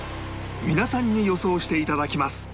皆さんに予想して頂きます